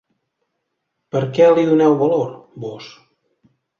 Per què li doneu valor, vós?